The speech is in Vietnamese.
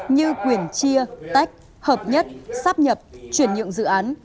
như quyền chia tách hợp nhất sáp nhập chuyển nhượng dự án